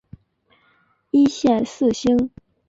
一线四星。